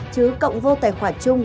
chứ cộng vô tài khoản chung